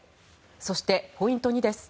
そして、ポイント２です。